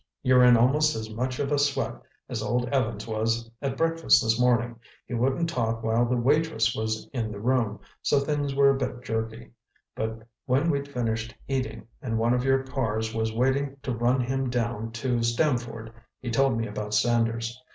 You're in almost as much of a sweat as old Evans was at breakfast this morning. He wouldn't talk while the waitress was in the room, so things were a bit jerky. But when we'd finished eating, and one of your cars was waiting to run him down to Stamford, he told me about Sanders.